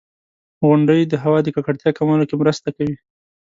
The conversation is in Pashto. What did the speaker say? • غونډۍ د هوا د ککړتیا کمولو کې مرسته کوي.